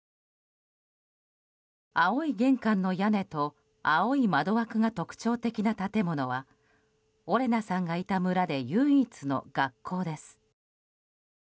青い玄関の屋根と青い窓枠が特徴的な建物はオレナさんがいた村で唯一の学校です。